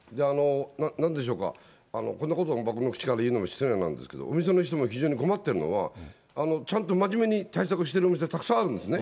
なんでしょうか、こんなこと僕の口から言うのも失礼なんですけど、お店の人も非常に困ってるのは、ちゃんと真面目に対策してるお店たくさんあるんですね。